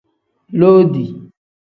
Loodi.